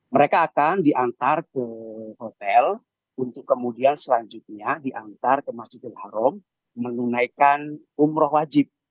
mereka akan diantar ke hotel untuk kemudian selanjutnya diantar ke masjidil haram menunaikan umroh wajib